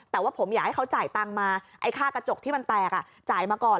แต่ว่าผมอยากให้เขาจ่ายตังค์มาไอ้ค่ากระจกที่มันแตกจ่ายมาก่อน